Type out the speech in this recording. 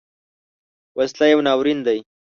وسله یو ناورین دی